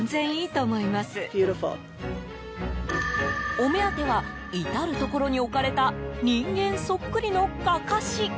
お目当ては至るところに置かれた人間そっくりのかかし。